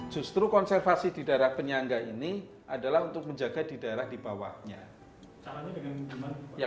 justru konservasi di daerah penyangga ini adalah untuk menjaga di daerah di bawahnya